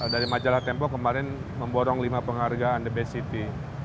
dari majalah tempo kemarin memborong lima penghargaan the best city